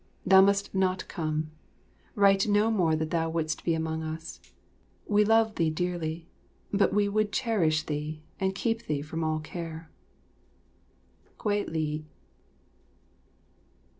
Thou must not come; write no more that thou wouldst be amongst us. We love thee dearly, but we would cherish thee and keep thee from all care. Kwei li.